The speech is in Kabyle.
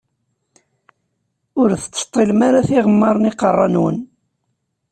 Ur tettseṭṭilem ara tiɣemmaṛ n iqeṛṛa-nwen.